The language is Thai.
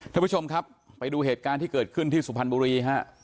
ท่านผู้ชมครับไปดูเหตุการณ์ที่เกิดขึ้นที่สุพรรณบุรีฮะ